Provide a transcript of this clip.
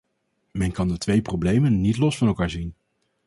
Men kan de twee problemen niet los van elkaar zien.